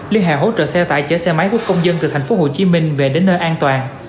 liên hệ hỗ trợ xe tải chở xe máy quốc công dân từ thành phố hồ chí minh về đến nơi an toàn